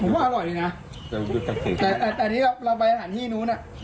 ผมว่าอร่อยเลยนะเอ่อแต่แต่ตอนนี้เราเราไปอาหารที่นู้นอ่ะ